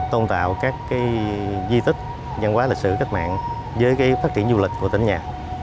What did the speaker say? tôn tạo các di tích văn hóa lịch sử cách mạng với phát triển du lịch của tỉnh nhà